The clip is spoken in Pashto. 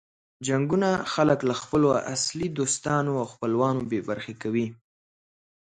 جنګونه خلک له خپلو اصلو دوستانو او خپلوانو بې برخې کوي.